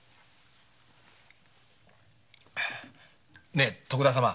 ねえ徳田様。